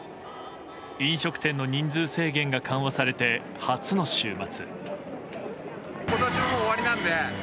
飲食店の人数制限が緩和されて初の週末。